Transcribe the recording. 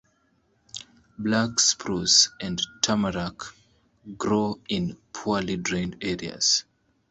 Black spruce and tamarack grow in poorly drained areas.